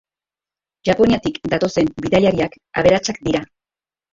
Japoniatik datozen bidaiariak aberatsak dira.